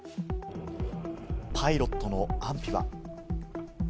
パイロットの安否は？